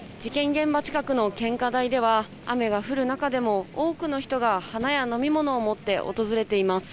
現場近くの献花台では、雨が降る中でも、多くの人が花や飲み物を持って訪れています。